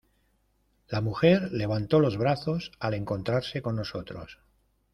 la mujer levantó los brazos al encontrarse con nosotros: